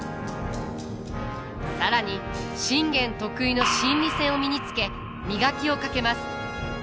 更に信玄得意の心理戦を身につけ磨きをかけます。